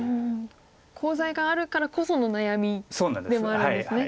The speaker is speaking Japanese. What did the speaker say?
コウ材があるからこその悩みでもあるんですね。